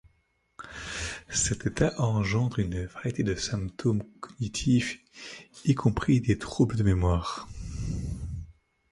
Cet état engendre une variété de symptômes cognitifs y compris des troubles de mémoire.